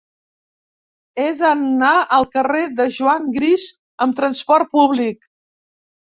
He d'anar al carrer de Juan Gris amb trasport públic.